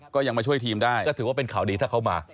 ก็ยังมาช่วยทีมได้ก็ถือว่าเป็นข่าวดีถ้าเขามา